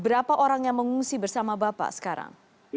berapa orang yang mengungsi bersama bapak sekarang